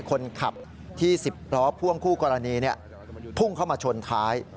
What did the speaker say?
คนขับที่๑๐ล้อพ่วงคู่กรณีพุ่งเข้ามาชนท้าย